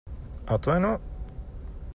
Atvaino?